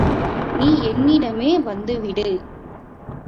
நீ என்னிடமே வந்துவிடு.